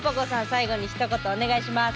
最後にひと言お願いします。